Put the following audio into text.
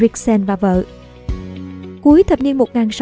cuối thập niên một nghìn sáu trăm ba mươi sáu